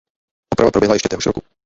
Oprava proběhla ještě téhož roku.